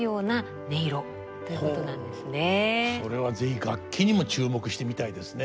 それは是非楽器にも注目してみたいですね。